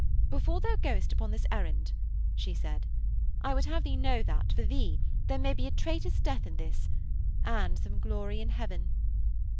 'Before thou goest upon this errand,' she said, 'I would have thee know that, for thee, there may be a traitor's death in this and some glory in Heaven.'